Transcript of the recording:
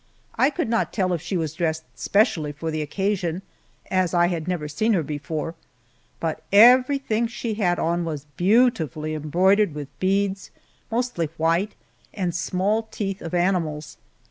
I could not tell if she was dressed specially for the occasion, as I had never seen her before, but everything she had on was beautifully embroidered with beads mostly white and small teeth of animals.